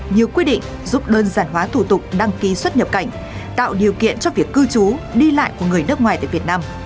nhiều quy định giúp đơn giản hóa thủ tục đăng ký xuất nhập cảnh tạo điều kiện cho việc cư trú đi lại của người nước ngoài tại việt nam